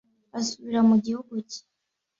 asubira mu gihugu cye